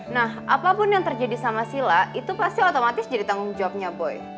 nah apapun yang terjadi sama sila itu pasti otomatis jadi tanggung jawabnya boy